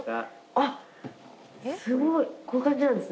あっすごいこういう感じなんですね。